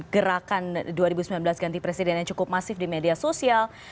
gerakan dua ribu sembilan belas ganti presiden yang cukup masif di media sosial